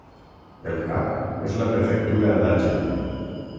El cap és la prefectura d'Agen.